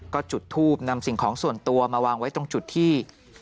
ก็จุดทูบนำสิ่งของส่วนตัวมาวางไว้ตรงจุดที่